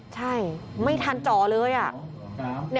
ใช่ไม่ทันจ่อเลยอะ